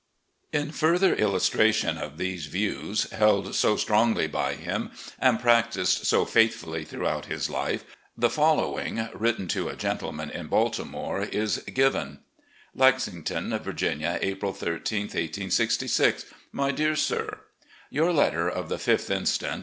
In further illustration of these views, held so strongly by him and practised so faithfully throughout his life, the following, written to a gentleman in Baltimore, is given; "Lexington, Virginia, April 13, 1866. "My Dear Sir: Your letter of the 5th inst.